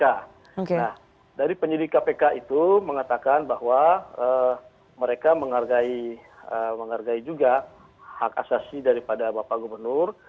nah dari penyidik kpk itu mengatakan bahwa mereka menghargai juga hak asasi daripada bapak gubernur